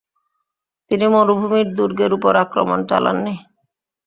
তিনি মরুভূমির দুর্গের উপর আক্রমণ চালাননি।